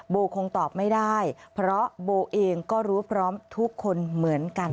โบคงตอบไม่ได้เพราะโบเองก็รู้พร้อมทุกคนเหมือนกัน